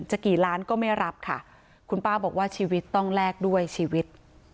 กี่ล้านก็ไม่รับค่ะคุณป้าบอกว่าชีวิตต้องแลกด้วยชีวิต